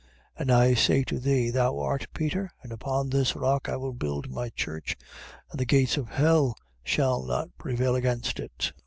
16:18. And I say to thee: That thou art Peter; and upon this rock I will build my church, and the gates of hell shall not prevail against it.